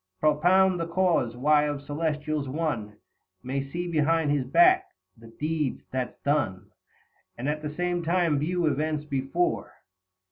Propound the cause, why of Celestials one May see behind his back the deed that's done, And at the same time view events before.